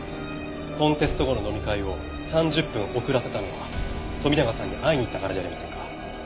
コンテスト後の飲み会を３０分遅らせたのは富永さんに会いに行ったからじゃありませんか？